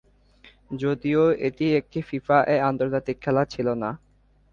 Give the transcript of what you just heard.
যদিও এটি একটি ফিফা 'এ' আন্তর্জাতিক খেলা ছিল না।